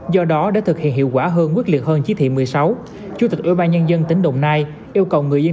do đó để thực hiện hiệu quả hơn quyết liệt hơn chí thị một mươi sáu chủ tịch ủy ban nhân dân tỉnh đồng nai yêu cầu người dân